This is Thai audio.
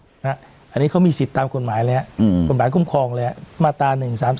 ครับอันนี้เขามีสิทธิ์ตามคุณหมายเลยอ่ะคุณหมายคุมครองเลยอ่ะมาตา๑๓๓๐